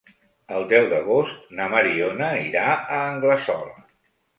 El deu d'agost na Mariona irà a Anglesola.